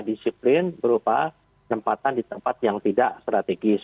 disiplin berupa tempatan di tempat yang tidak strategis